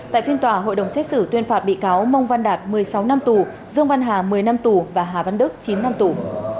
tại phiên tòa hội đồng xét xử tuyên phạt bị cáo mông văn đạt một mươi sáu năm tù dương văn hà một mươi năm tù và hà văn đức chín năm tù